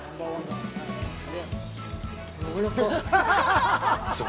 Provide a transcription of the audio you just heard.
やわらかっ。